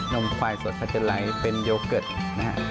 นมควายสดพัชรัยเป็นโยเกิร์ตนะครับ